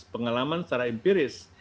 pengalaman secara empiris